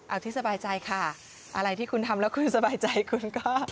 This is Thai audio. เอาที่สบายใจค่ะอะไรที่คุณทำแล้วคุณสบายใจคุณก็